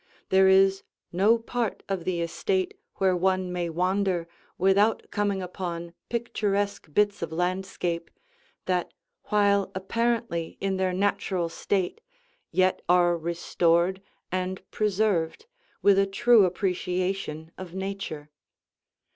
There is no part of the estate where one may wander without coming upon picturesque bits of landscape, that while apparently in their natural state, yet are restored and preserved with a true appreciation of nature.